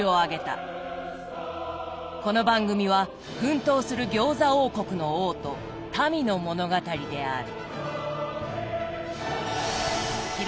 この番組は奮闘する餃子王国の王と民の物語である。